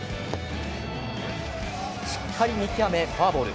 しっかり見極めフォアボール。